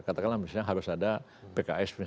katakanlah misalnya harus ada pks misalnya